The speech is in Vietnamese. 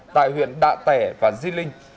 tại huyện đạ tẻ và di linh